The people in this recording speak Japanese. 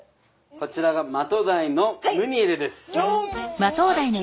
こちらがマトウダイのムニエルです。